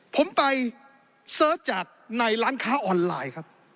ผมไปเสิร์ชจากในร้านค้าออนไลน์ครับ